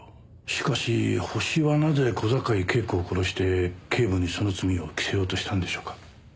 しかしホシはなぜ小坂井恵子を殺して警部にその罪を着せようとしたんでしょうか？